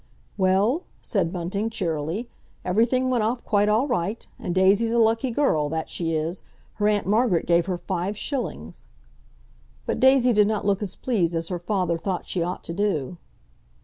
"Well?" said Bunting cheerily. "Everything went off quite all right. And Daisy's a lucky girl—that she is! Her Aunt Margaret gave her five shillings." But Daisy did not look as pleased as her father thought she ought to do.